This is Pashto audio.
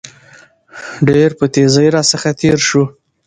ډېر په تېزى راڅخه تېر شو.